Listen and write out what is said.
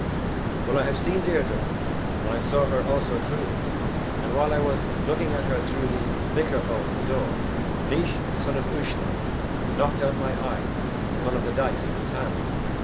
"Well, I have seen Deirdre, and I saw her also truly, and while I was looking at her through the bicker hole on the door, Naois, son of Uisnech, knocked out my eye with one of the dice in his hand.